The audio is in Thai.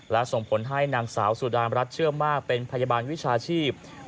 และส่งผลให้นางสาวสุดามรัฐเชื่อมากเป็นพยาบาลวิชาชีพ